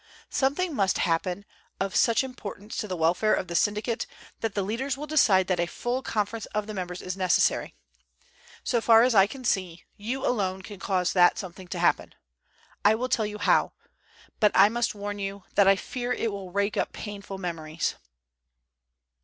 "Something must happen of such importance to the welfare of the syndicate that the leaders will decide that a full conference of the members is necessary. So far as I can see, you alone can cause that something to happen. I will tell you how. But I must warn you that I fear it will rake up painful memories."